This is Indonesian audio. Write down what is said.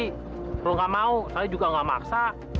kalau gak mau saya juga gak maksa